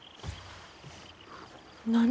何？